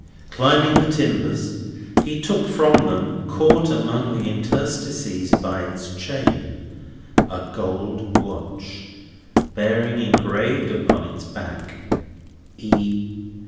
Climbing the timbers, he took from them, caught among their interstices by its chain, a gold watch, bearing engraved upon its back E.